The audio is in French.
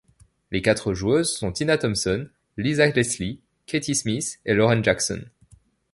Les quatre joueuses sont Tina Thompson, Lisa Leslie, Katie Smith et Lauren Jackson.